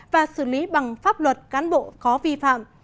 và xử lý bằng pháp luật cán bộ có vi phạm